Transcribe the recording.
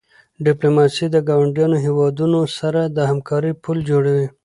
ډیپلوماسي د ګاونډیو هېوادونو سره د همکاری پل جوړوي.